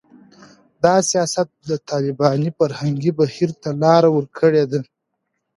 دا سیاست د طالباني فرهنګي بهیر ته لاره ورکړې ده